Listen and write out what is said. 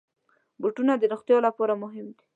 بوټونه د روغتیا لپاره مهم دي.